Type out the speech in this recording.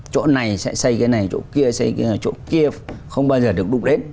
chỗ này sẽ xây cái này chỗ kia sẽ xây cái này chỗ kia không bao giờ được đụng đến